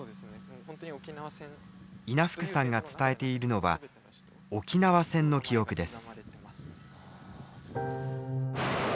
稲福さんが伝えているのは沖縄戦の記憶です。